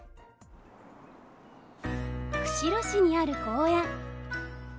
釧路市にある公園。